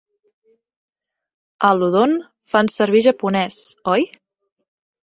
A l'Udon fan servir japonès, oi?